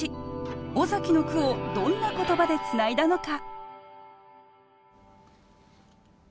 尾崎の句をどんな言葉でつないだのか。